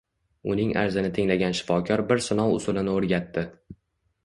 Uning arzini tinglagan shifokor bir sinov usulini oʻrgatdi